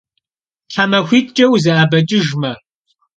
Themaxuit'ç'e vuze'ebeç'ıjjme.